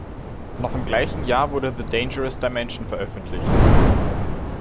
Noch im gleichen Jahr wurde "The Dangerous Dimension" veröffentlicht.